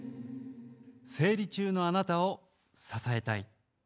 生理中のあなたを支えたい。